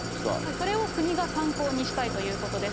それを国が参考にしたいということです。